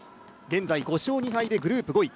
現在５勝２敗でグループ５位。